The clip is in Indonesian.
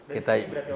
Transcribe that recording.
kita bisa menentukan